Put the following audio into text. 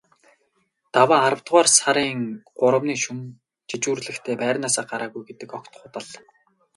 Даваа аравдугаар сарын гуравны шөнө жижүүрлэхдээ байрнаасаа гараагүй гэдэг огт худал.